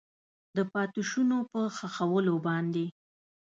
د پاتې شونو په ښخولو باندې